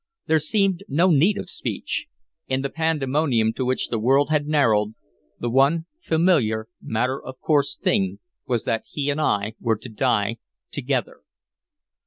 There seemed no need of speech. In the pandemonium to which the world had narrowed, the one familiar, matter of course thing was that he and I were to die together.